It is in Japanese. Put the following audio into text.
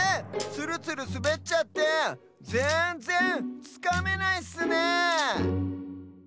ツルツルすべっちゃってぜんぜんつかめないッスねえ。